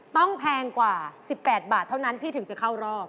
แพงกว่า๑๘บาทเท่านั้นพี่ถึงจะเข้ารอบ